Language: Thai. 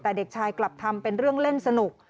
แต่เด็กชายกลับทำเป็นเรื่องเล่นสนุก